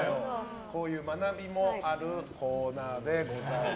こういう学びもあるコーナーでございます。